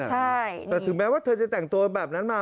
แต่ถึงแม้ว่าเธอจะแต่งตัวแบบนั้นมา